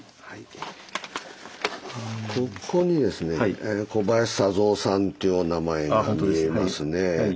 ここにですね小林佐三さんというお名前が見えますね。